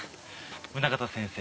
宗方先生